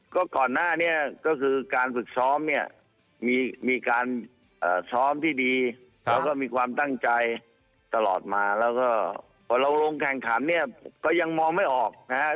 ก็ก่อนหน้านี้ก็คือการฝึกซ้อมเนี่ยมีการซ้อมที่ดีแล้วก็มีความตั้งใจตลอดมาแล้วก็พอเราลงแข่งขันเนี่ยก็ยังมองไม่ออกนะครับ